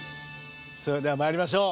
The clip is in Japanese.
それでは参りましょう。